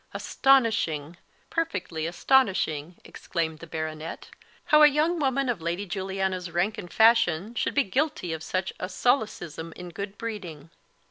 "Astonishing! perfectly astonishing!" exclaimed the Baronet; "how a young woman of Lady Juliana's rank and fashion should be guilty of such a solecism in good breeding."